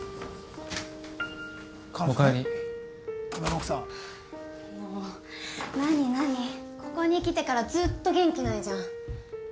おかえり。もなになにここに来てからずっと元気ないじゃん。